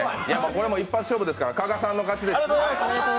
これも一発勝負ですから加賀さんの勝ちです。